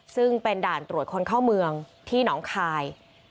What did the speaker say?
ซึ่งเป็นด่านตรวจคนเข้าเมืองที่หนองคาย